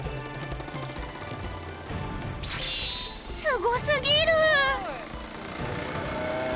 すごすぎる！